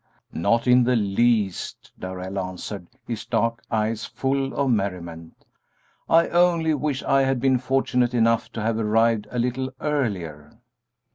"Not in the least," Darrell answered, his dark eyes full of merriment. "I only wish I had been fortunate enough to have arrived a little earlier."